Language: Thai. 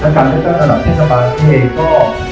และการเร่ตั้งระดับเทศบาลเทคก็